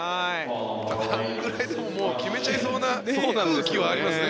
あのぐらいでも決めちゃいそうな空気はありますね